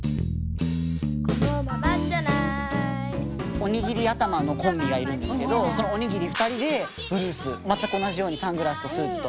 おにぎり頭のコンビがいるんですけどそのおにぎり２人でブルース全く同じようにサングラスとスーツと。